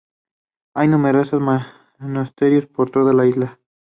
Hay numerosos monasterios por toda la isla.